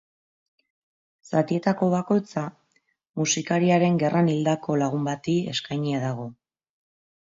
Zatietako bakoitza musikariaren gerran hildako lagun bati eskainia dago.